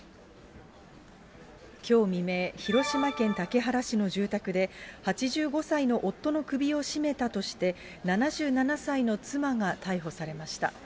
きょう未明、広島県竹原市の住宅で８５歳の夫の首を絞めたとして、７７歳の妻が逮捕されました。